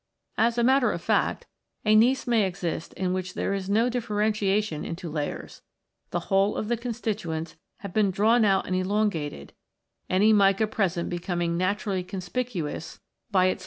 As a matter of fact, a gneiss may exist in which there is no VI] METAMORPHIC ROCKS 155 differentiation into layers; the whole of the con stituents have been drawn out and elongated, any mica present becoming naturally conspicuous by its Fig.